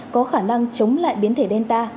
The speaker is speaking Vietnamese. có khả năng chống lại biến thể delta